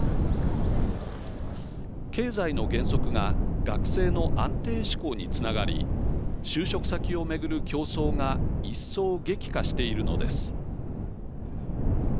経済の減速が学生の安定志向につながり就職先を巡る競争が一層激化しているのです。